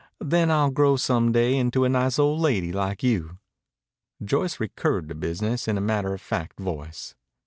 Then I'll grow some day into a nice old lady like you." Joyce recurred to business in a matter of fact voice.